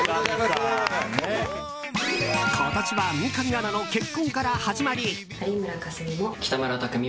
今年は三上アナの結婚から始まり。